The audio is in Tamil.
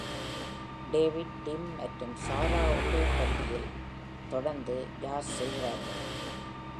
டேவிட், டிம் மற்றும் சாரா உள்ளூர் பட்டியில் தொடர்ந்து ஜாஸ் செய்கிறார்கள்.